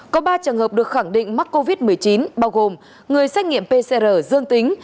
có ba trường hợp được khẳng định mắc covid một mươi chín bao gồm người xét nghiệm pcr dương tính